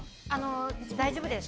大丈夫です。